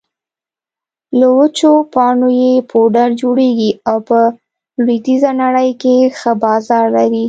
له وچو پاڼو يې پوډر جوړېږي او په لویدېزه نړۍ کې ښه بازار لري